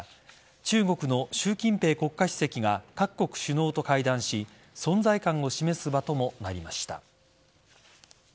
中国の習近平国家主席が各国首脳と会談し存在感を示す場ともなりました。